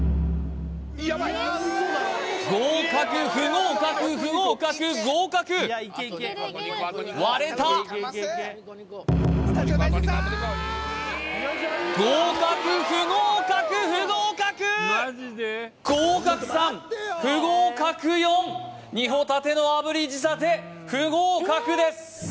合格不合格不合格合格割れた合格不合格不合格合格３不合格４煮ほたての炙り仕立て不合格です